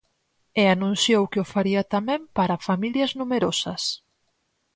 E anunciou que o faría tamén para familias numerosas.